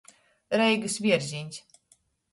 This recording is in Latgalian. Reigys vierzīņs.